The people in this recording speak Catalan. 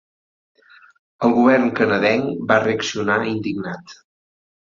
El govern canadenc va reaccionar indignat.